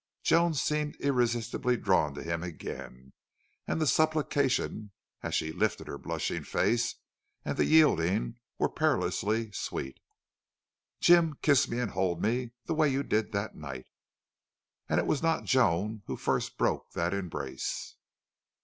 Joan seemed irresistibly drawn to him again, and the supplication, as she lifted her blushing face, and the yielding, were perilously sweet. "Jim, kiss me and hold me the way you did that night!" And it was not Joan who first broke that embrace.